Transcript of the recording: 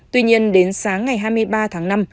tuy nhiên đến sáng ngày hai mươi ba tháng năm